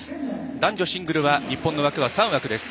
男女シングルは日本の枠は３枠です。